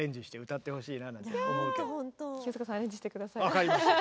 わかりました。